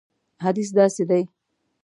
حدیث داسې دی.